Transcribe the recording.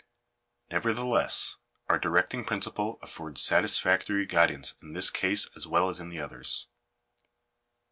Nevertheless, our directing principle affords satisfactory guidance in this case as well as in the others.